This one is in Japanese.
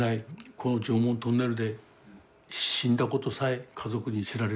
この常紋トンネルで死んだことさえ家族に知られない。